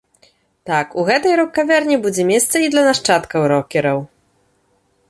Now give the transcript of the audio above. Так, у гэтай рок-кавярні будзе месца і для нашчадкаў рокераў.